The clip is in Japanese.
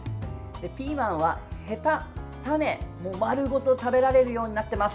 ピーマンは、へた、種丸ごと食べられるようになっています。